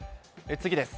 次です。